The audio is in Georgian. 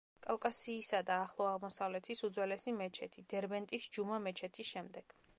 კავკასიისა და ახლო აღმოსავლეთის უძველესი მეჩეთი, დერბენტის ჯუმა მეჩეთის შემდეგ.